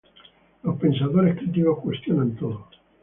Los pensadores críticos cuestionan todo.